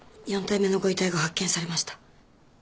４体目のご遺体が発見されました。